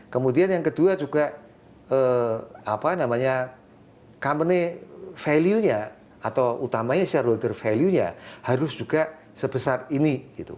kemudian yang kedua juga company value nya atau utamanya sharehoater value nya harus juga sebesar ini